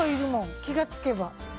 気が付けば。